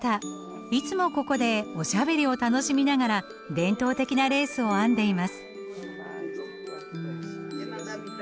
いつもここでおしゃべりを楽しみながら伝統的なレースを編んでいます。